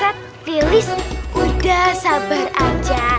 buat butet lilis udah sabar aja